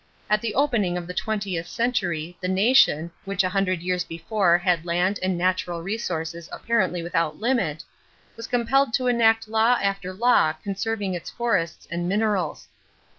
At the opening of the twentieth century the nation, which a hundred years before had land and natural resources apparently without limit, was compelled to enact law after law conserving its forests and minerals.